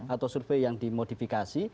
atau survei yang dimodifikasi